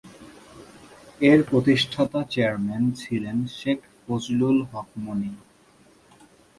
এর প্রতিষ্ঠাতা চেয়ারম্যান ছিলেন শেখ ফজলুল হক মনি।